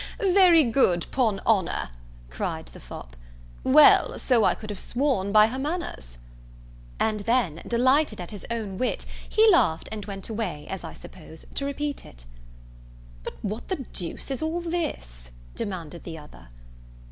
"He! he! he! very good, 'pon honour!" cried the fop; "well, so I could have sworn by her manners." And then, delighted at his own wit, he laughed, and went away, as I suppose, to repeat it. "But what the deuce is all this?" demanded the other.